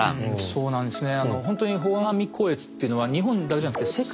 そうなんですね。